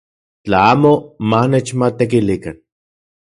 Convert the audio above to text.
Tla amo manechmatekilikan.